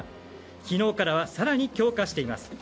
昨日からは更に強化しています。